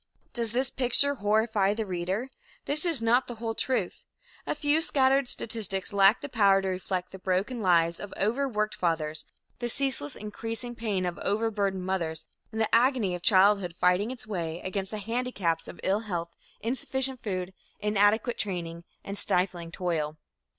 Does this picture horrify the reader? This is not the whole truth. A few scattered statistics lack the power to reflect the broken lives of overworked fathers, the ceaseless, increasing pain of overburdened mothers and the agony of childhood fighting its way against the handicaps of ill health, insufficient food, inadequate training and stifling toil.